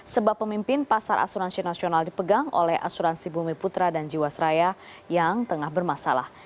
sebab pemimpin pasar asuransi nasional dipegang oleh asuransi bumi putra dan jiwasraya yang tengah bermasalah